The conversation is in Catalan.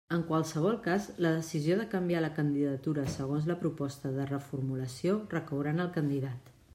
En qualsevol cas la decisió de canviar la candidatura segons la proposta de reformulació recaurà en el candidat.